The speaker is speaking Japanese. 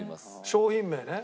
商品名ね。